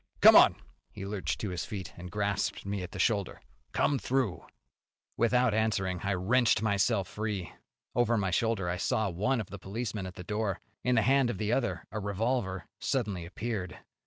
Come on!" He lurched to his feet, and grasped me by the shoulder. "Come through!" Without answering, I wrenched myself free. Over my shoulder I saw one of the policemen at the door. In the hand of the other a revolver suddenly appeared.